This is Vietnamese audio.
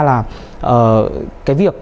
là cái việc